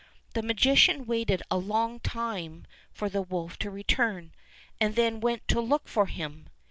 The magician waited a long time for the wolf to return, and then went to look for him.